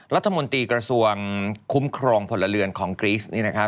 รัฐมนตรีกระทรวงคุ้มครองผลเรือนของกรีสนี่นะคะ